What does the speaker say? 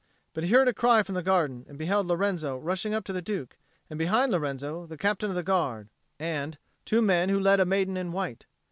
But he heard a cry from the garden, and beheld Lorenzo rushing up to the Duke, and behind Lorenzo, the Captain of the Guard and, two men who led a maiden in white.